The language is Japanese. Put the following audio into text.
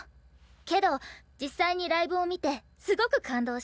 けど実際にライブを見てすごく感動した。